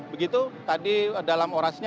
begitu tadi dalam orasinya